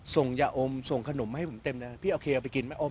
ส่งยะอมส่งขนมให้ผมเต็มแล้วพี่เอาเคยเอาไปกินไหม